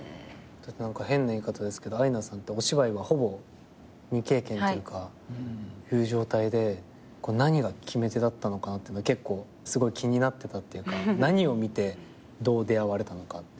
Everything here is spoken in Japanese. だって何か変な言い方ですけどアイナさんってお芝居はほぼ未経験という状態で何が決め手だったのかなってすごい気になってたっていうか何を見てどう出会われたのか。